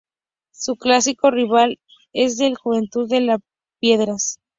Su clásico rival es el Juventud de las Piedras.